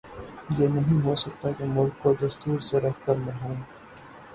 یہ نہیں ہو سکتا کہ ملک کو دستور سےرکھ کر محروم